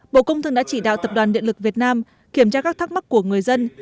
bộ công thương đã chỉ đạo tập đoàn điện lực việt nam kiểm tra các thắc mắc của người dân